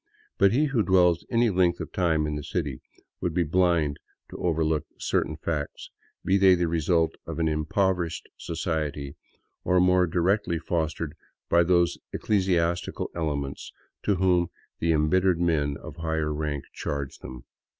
But he who dwells any length of time in the city would be blind to overlook certain facts, be they the result of an impoverished society or more directly fostered by those ecclesiastical elements to whom the embittered men of higher rank charge them.